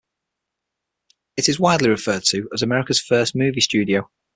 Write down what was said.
It is widely referred to as America's First Movie Studio.